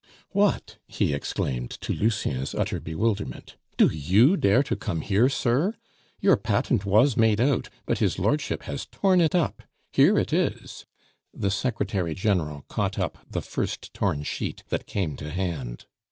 "What!" he exclaimed, to Lucien's utter bewilderment. "Do you dare to come here, sir? Your patent was made out, but his lordship has torn it up. Here it is!" (the Secretary General caught up the first torn sheet that came to hand).